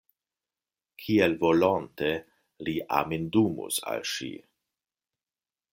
Kiel volonte li amindumus al ŝi!